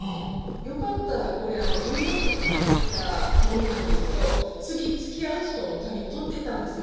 「よかったらこれニューヨークで買ってきたものなんですけど次つきあう人のために取ってたんです」